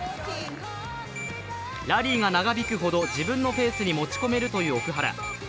ラリーが長引くほど、自分のペースに持ち込めるという奥原。